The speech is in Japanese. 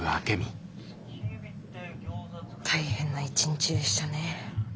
大変な一日でしたね。